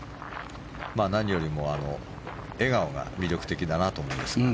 何よりも笑顔が魅力的だなと思いますが。